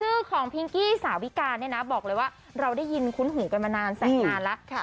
ชื่อของพิงกี้สาวิกาเนี่ยนะบอกเลยว่าเราได้ยินคุ้นหูกันมานานแสนนานแล้ว